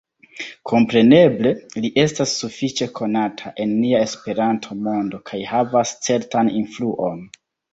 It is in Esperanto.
Kompreneble, li estas sufiĉe konata en nia Esperanto-mondo kaj havas certan influon.